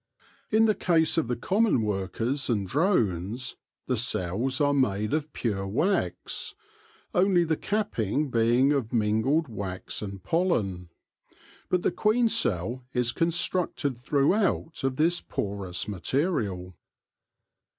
In the case of the common workers and drones, the cells are made of pure wax, only the capping being of mingled wax and pollen ; but the queen cell is constructed throughout of this porous material.